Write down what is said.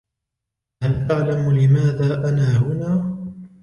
هل تعلم لماذا انا هنا؟